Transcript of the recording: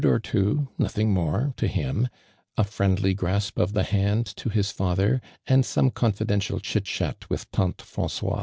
29 or two, nothing more, to him ; a IViendiy grasp of thf hanil to his father; ami some contidential chit cliat with /fr/i/e Fmnc<>i.>